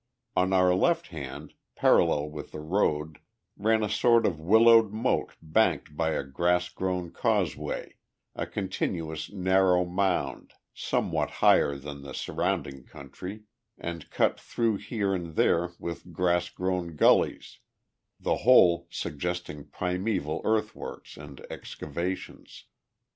On our left hand, parallel with the road, ran a sort of willowed moat banked by a grass grown causeway, a continuous narrow mound, somewhat higher than the surrounding country, and cut through here and there with grass grown gullies, the whole suggesting primeval earthworks and excavations.